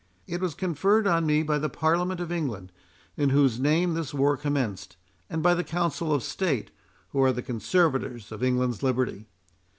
It was conferred on me by the Parliament of England, in whose name this war commenced, and by the Council of State, who are the conservators of England's liberty.